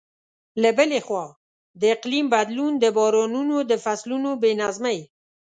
له بلې خوا، د اقلیم بدلون د بارانونو د فصلونو بې نظمۍ.